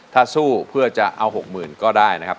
ถ้าสู้เพื่อจะเอา๖๐๐๐ก็ได้นะครับ